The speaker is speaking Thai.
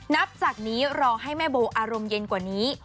นับจากนี้รอให้แม่โบอารมณ์เย็นกว่านี้